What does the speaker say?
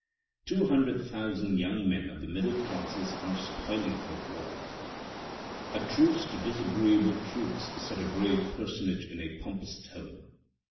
" Two hundred thousand young men of the middle classes are spoiling for war —"" A truce to disagreeable truths," said a grave personage in a pompous tone.